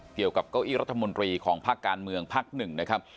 เก้าอี้รัฐมนตรีของภาคการเมืองพักหนึ่งนะครับ